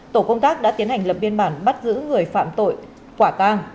tổ công tác đã tiến hành lập biên bản bắt giữ người phạm tội quả tang